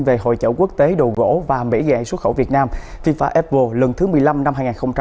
về hội chẩu quốc tế đồ gỗ và mỹ nghệ xuất khẩu việt nam fifa apple lần thứ một mươi năm năm hai nghìn hai mươi